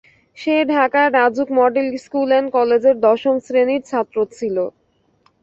সে ঢাকার Rajuk model school and কলেজের দশম শ্রেণির ছাত্র ছিল।